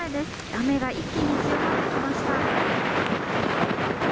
雨が一気に強まってきました。